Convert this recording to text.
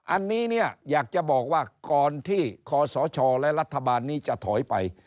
อันนี้เนี่ยอยากจะบอกว่าก่อนที่คศและรัฐบาลนี้จะถอยไป